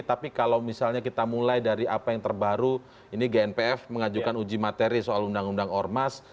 tapi kalau misalnya kita mulai dari apa yang terbaru ini gnpf mengajukan uji materi soal undang undang ormas